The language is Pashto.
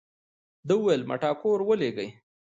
دې وويل ما ټنګور ولېږئ.